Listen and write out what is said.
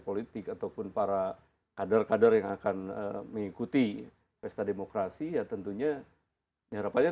politik ataupun para kader kader yang akan mengikuti pesta demokrasi ya tentunya harapannya